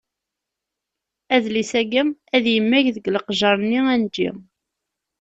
Adlis-ayi ad yemmag deg leqjer-nni anǧi.